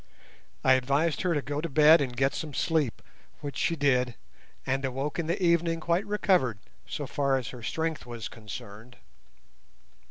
I advised her to go to bed and get some sleep, which she did, and awoke in the evening quite recovered, so far as her strength was concerned.